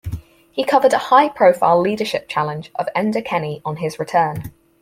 He covered a high-profile leadership challenge of Enda Kenny on his return.